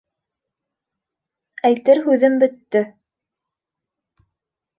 Әйтер һүҙем бөттө.